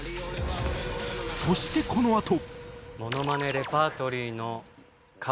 そしてこのあと